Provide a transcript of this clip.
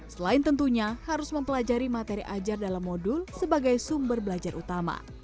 selain tentunya harus mempelajari materi ajar dalam modul sebagai sumber belajar utama